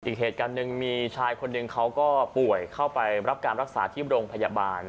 อีกเหตุการณ์หนึ่งมีชายคนหนึ่งเขาก็ป่วยเข้าไปรับการรักษาที่โรงพยาบาล